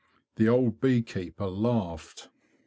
The old bee keeper laughed.